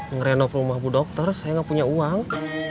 ngerenop rumah bu dokter saya nggak punya uang